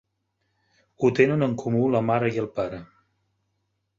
Ho tenen en comú la mare i el pare.